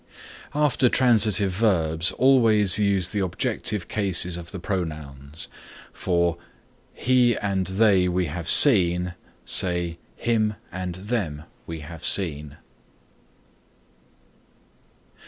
After transitive verbs always use the objective cases of the pronouns. For "He and they we have seen," say "Him and them we have seen."